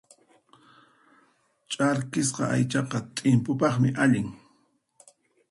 Ch'arkisqa aychaqa t'impupaqmi allin.